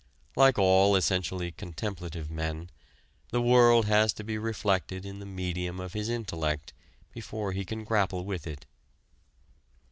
Like all essentially contemplative men, the world has to be reflected in the medium of his intellect before he can grapple with it.